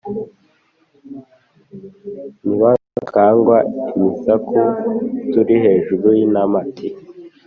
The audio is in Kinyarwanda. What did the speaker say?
Ntibakangwe imisakura tuli hejuru y'intamati